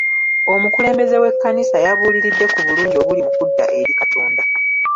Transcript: Omululembeze w'ekkanisa yabuuliridde ku bulungi obuli mu kudda eri Katonda.